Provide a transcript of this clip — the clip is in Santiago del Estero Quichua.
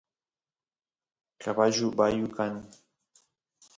caballu bayu kan